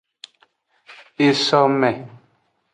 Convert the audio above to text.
Esome.